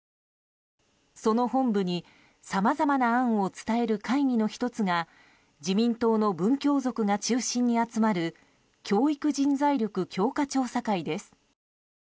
その本部にさまざまな案を伝える会議の１つが自民党の文教族が中心に集まる教育・人材力強化調査会です。